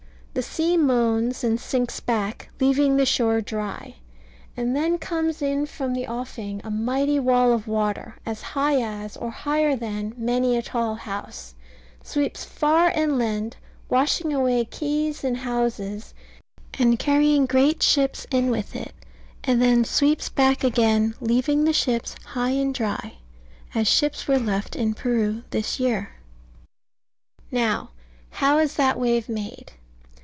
The sea moans, and sinks back, leaving the shore dry; and then comes in from the offing a mighty wall of water, as high as, or higher than, many a tall house; sweeps far inland, washing away quays and houses, and carrying great ships in with it; and then sweeps back again, leaving the ships high and dry, as ships were left in Peru this year. Now, how is that wave made?